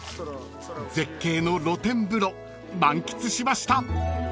［絶景の露天風呂満喫しました］